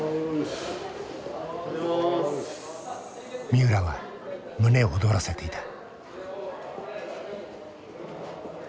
三浦は胸躍らせていた。